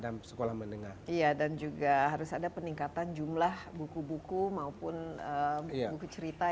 dan sekolah mendengar iya dan juga harus ada peningkatan jumlah buku buku maupun buku cerita